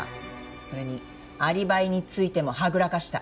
それにアリバイについてもはぐらかした。